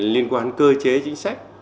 liên quan cơ chế chính sách